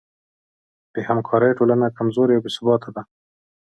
بېهمکارۍ ټولنه کمزورې او بېثباته ده.